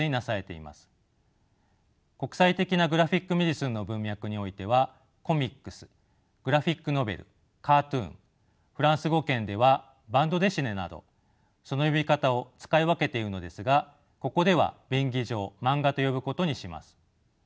国際的なグラフィック・メディスンの文脈においてはコミックスグラフィック・ノベルカートゥーンフランス語圏ではバンド・デシネなどその呼び方を使い分けているのですがここでは便宜上マンガと呼ぶことにします。